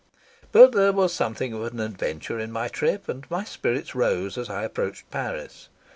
But there was something of an adventure in my trip, and my spirits rose as I approached Paris.